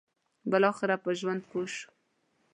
بالاخره په ژوند پوه شو.